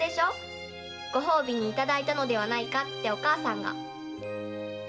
「ご褒美にいただいたのではないか」ってお母さんが。